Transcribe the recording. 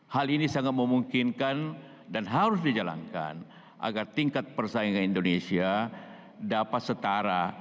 hal ini sangat memungkinkan dan harus dijalankan agar tingkat persaingan indonesia dapat setara